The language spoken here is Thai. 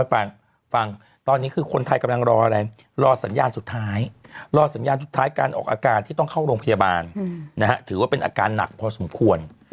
พวกอาการที่ต้องเข้าโรงพยาบาลถือว่าเป็นอาการหนักพอสมควร